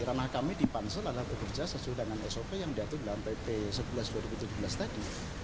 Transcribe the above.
ranah kami dipansel dalam pekerja sesuai dengan sop yang diatur dalam pp sebelas dua ribu tujuh belas tadi